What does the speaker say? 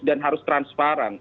dan harus transparan